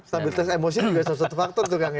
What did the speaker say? stabilitas emosi itu juga satu faktor tuh kang ya